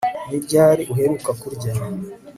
Ni ryari uheruka kurya